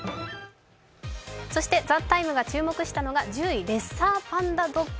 そして「ＴＨＥＴＩＭＥ，」が注目したのが１０位、レッサーパンダドッグ。